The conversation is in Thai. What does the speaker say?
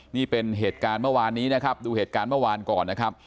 นี่เป็นเหตุการณ์เมื่อวานนี้นะครับดูเหตุการณ์เมื่อวานก่อนนะครับ